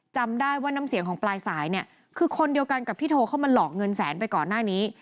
จำได้ว่าน้ำเสียงของปลายสายเนี่ยคือคนเดียวกันกับที่โทรเข้ามาหลอกเงินแสนไปก่อนหน้านี้